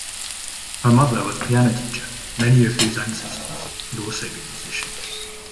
Her mother was a piano teacher, many of whose ancestors had also been musicians.